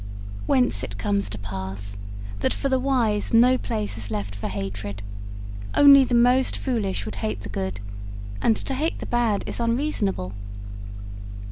Whence it comes to pass that for the wise no place is left for hatred; only the most foolish would hate the good, and to hate the bad is unreasonable.